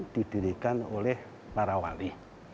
didirikan oleh para wali